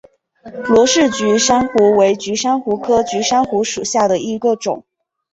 罗氏菊珊瑚为菊珊瑚科菊珊瑚属下的一个种。